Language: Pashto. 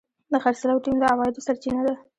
د خرڅلاو ټیم د عوایدو سرچینه ده.